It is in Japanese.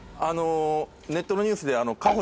ネットのニュースで。